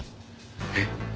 えっ！？